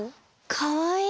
かわいい！